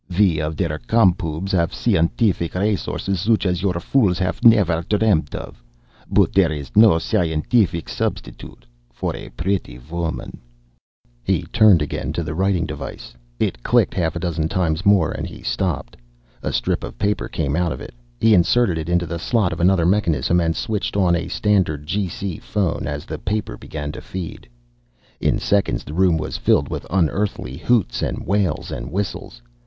We of der Com Pubs haff scientific resources such as your fools haff nefer dreamed of, but there is no scientific substitute for a pretty woman." He turned again to the writing device. It clicked half a dozen times more, and he stopped. A strip of paper came out of it. He inserted it into the slot of another mechanism and switched on a standard G.C. phone as the paper began to feed. In seconds the room was filled with unearthly hoots and wails and whistles.